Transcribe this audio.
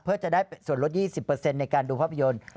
เพื่อจะได้ส่วนลด๒๐ในการดูภาพยนตร์